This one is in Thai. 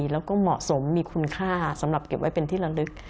แล้วก็เหมาะสมมีคุณค่าสำหรับเก็บไว้เป็นที่ละลึก